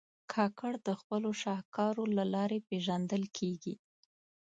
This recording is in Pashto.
کاکړ د خپلو شهکارو له لارې پېژندل کېږي.